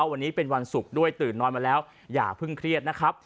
วันนี้เป็นวันศุกร์ด้วยตื่นนอนมาแล้วอย่าเพิ่งเครียดนะครับ